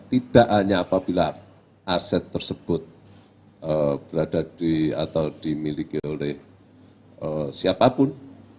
tidak hanya apabila aset tersebut berada di atau dimiliki oleh siapapun